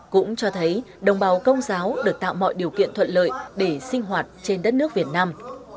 cũng cho thấy đồng bào công giáo được tạo mọi điều kiện thuận lợi để sinh hoạt trên đất nước việt nam